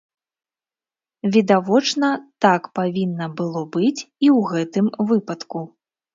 Відавочна, так павінна было быць і ў гэтым выпадку.